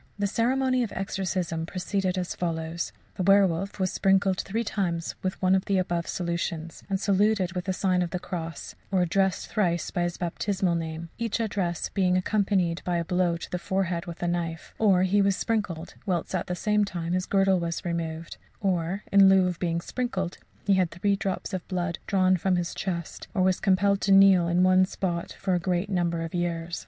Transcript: The ceremony of exorcism proceeded as follows: The werwolf was sprinkled three times with one of the above solutions, and saluted with the sign of the cross, or addressed thrice by his baptismal name, each address being accompanied by a blow on the forehead with a knife; or he was sprinkled, whilst at the same time his girdle was removed; or in lieu of being sprinkled, he had three drops of blood drawn from his chest, or was compelled to kneel in one spot for a great number of years.